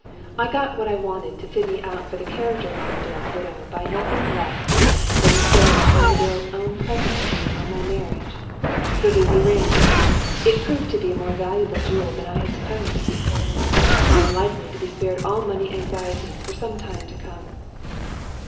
I got what I wanted to fit me out for the character of Armadale's widow by nothing less than the sale of Armadale's own present to me on my marriage the ruby ring! It proved to be a more valuable jewel than I had supposed. I am likely to be spared all money anxieties for some time to come.